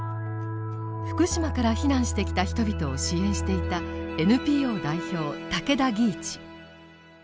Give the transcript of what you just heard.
福島から避難してきた人々を支援していたＮＰＯ代表竹田義一。